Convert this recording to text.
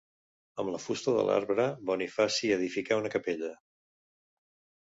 Amb la fusta de l'arbre, Bonifaci edificà una capella.